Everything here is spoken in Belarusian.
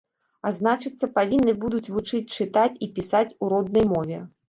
А значыцца, павінны будуць вучыць чытаць і пісаць у роднай мове.